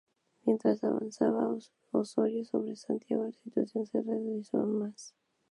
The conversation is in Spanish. Mientras avanzaba Osorio sobre Santiago la situación se radicalizó aún más.